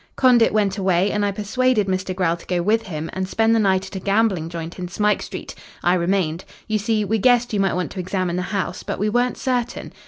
Condit went away, and I persuaded Mr. Grell to go with him and spend the night at a gambling joint in Smike Street. I remained. You see, we guessed you might want to examine the house, but we weren't certain.